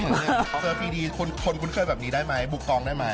เจอปีดีคนคุ้นเคยแบบนี้ได้ไหมบุกกองได้ไหม